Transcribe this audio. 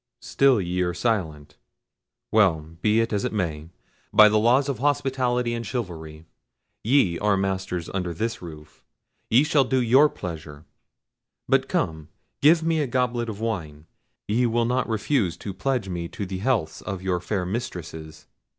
Still ye are silent—well! be it as it may—by the laws of hospitality and chivalry ye are masters under this roof: ye shall do your pleasure. But come, give me a goblet of wine; ye will not refuse to pledge me to the healths of your fair mistresses."